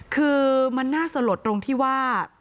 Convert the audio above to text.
คือมันน่าสลดตรงที่ว่า